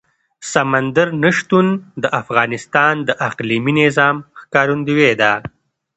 سمندر نه شتون د افغانستان د اقلیمي نظام ښکارندوی ده.